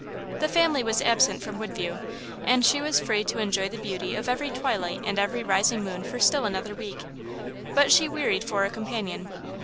The family was absent from Woodview, and she was free to enjoy the beauty of every twilight and every rising moon for still another week. But she wearied for a companion.